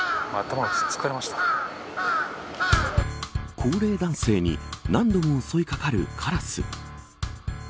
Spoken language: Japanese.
高齢男性に何度も襲いかかるカラス。